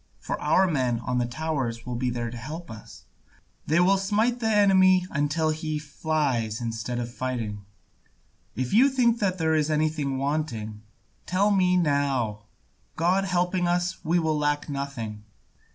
For our men on the towers will be there to help us, they will smite the enemy until he flies instead of fighting. If you think there is anything wanting, tell me now; God helping us, we will lack nothing.